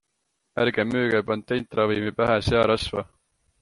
ärge müüge patentravimi pähe searasva!